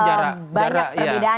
banyak perbedaannya ya